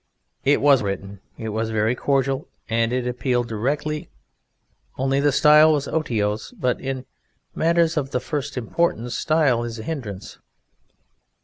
It was written. It was very cordial, and it appealed directly, only the style was otiose, but in matters of the first importance style is a hindrance.